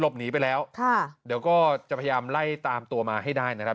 หนีไปแล้วค่ะเดี๋ยวก็จะพยายามไล่ตามตัวมาให้ได้นะครับ